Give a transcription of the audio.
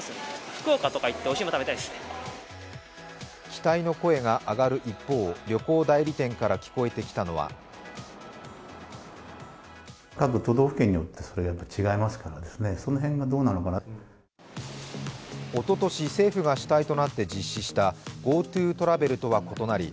期待の声が上がる一方、旅行代理店から聞こえてきたのはおととし政府が主体となって実施したＧｏＴｏトラベルとは異なり